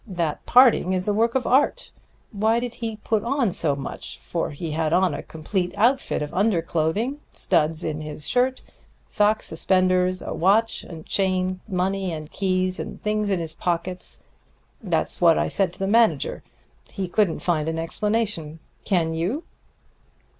That parting is a work of art. Why did he put on so much? for he had on a complete out fit of underclothing, studs in his shirt, sock suspenders, a watch and chain, money and keys and things in his pockets.' That's what I said to the manager. He couldn't find an explanation. Can you?"